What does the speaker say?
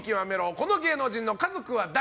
この芸能人の家族は誰？